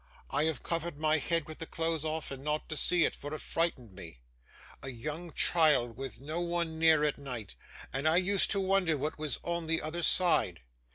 I have covered my head with the clothes often, not to see it, for it frightened me: a young child with no one near at night: and I used to wonder what was on the other side.